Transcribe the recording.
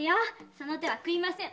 その手は食いません。